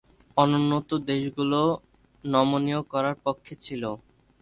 অনুন্নত দেশগুলো নমনীয় করার পক্ষে ছিল।